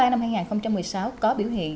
năm hai nghìn một mươi sáu có biểu hiện